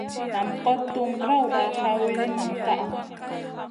Nam kot tuhm grawda, ha wilin nam ka.